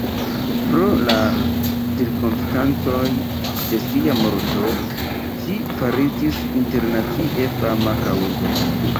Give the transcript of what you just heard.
Pro la cirkonstancoj de sia morto ŝi fariĝis internacie fama kaŭzo.